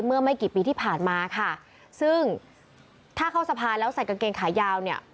เมื่อไม่กี่ปีที่ผ่านมาค่ะซึ่งถ้าเข้าสะพานแล้วใส่กางเกงขายาวเนี่ย